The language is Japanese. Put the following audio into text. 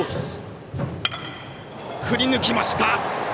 振り抜きました。